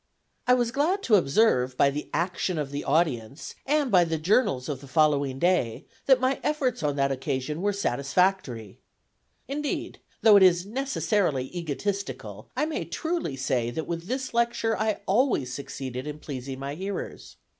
I was glad to observe by the action of the audience, and by the journals of the following day, that my efforts on that occasion were satisfactory. Indeed, though it is necessarily egotistical, I may truly say that with this lecture I always succeeded in pleasing my hearers.